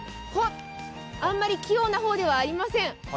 あんまり器用な方ではありません。